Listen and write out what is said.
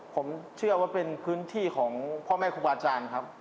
ผมเชื่อว่าเป็นพื้นที่ของพ่อแม่ครูบาอาจารย์ครับ